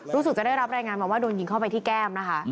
รู้สึกจะได้รับรายงานมาว่าโดนยิงเข้าไปที่แก้มนะคะ